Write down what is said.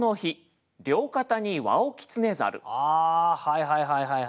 ああはいはいはいはい。